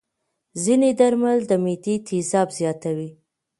ځینې درمل د معدې تیزاب زیاتوي.